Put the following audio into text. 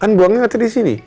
kan buangnya nanti disini